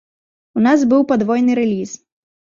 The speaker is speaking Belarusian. У нас быў падвойны рэліз.